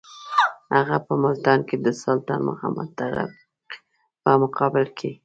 هغه په ملتان کې د سلطان محمد تغلق په مقابل کې.